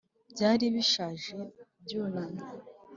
byari bishaje byunamye